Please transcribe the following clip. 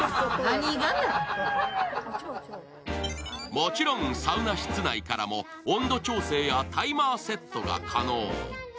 もちろんサウナ室内からも温度調整やタイマーセットが可能。